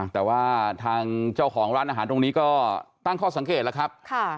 แต่ว่าทางเจ้าของร้านอาหารตรงนี้ก็ตั้งข้อสังเกตแล้วครับ